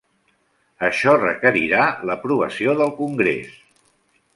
Això requerirà l'aprovació del congrés.